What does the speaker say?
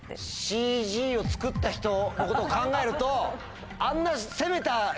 ＣＧを作った人のことを考えるとあんな。